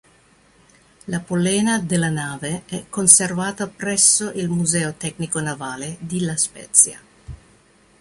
La polena della nave è conservata presso il Museo tecnico navale di La Spezia.